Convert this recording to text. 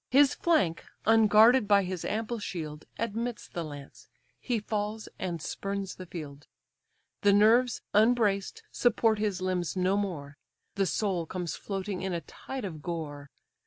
His flank, unguarded by his ample shield, Admits the lance: he falls, and spurns the field; The nerves, unbraced, support his limbs no more; The soul comes floating in a tide of gore.